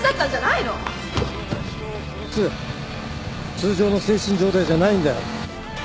通常の精神状態じゃないんだよ。